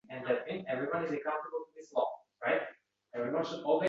Ta’lim muassasalarida ma’naviy-ma’rifiy ishlar samaradorligini oshirish kerak.